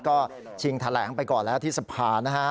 ก็ชิงแถลงไปก่อนแล้วที่สภานะฮะ